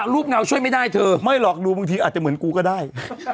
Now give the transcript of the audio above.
เงาช่วยไม่ได้เธอไม่หรอกดูบางทีอาจจะเหมือนกูก็ได้